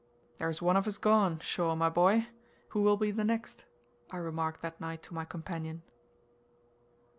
"There is one of us gone, Shaw, my boy! Who will be the next?" I remarked that night to my companion.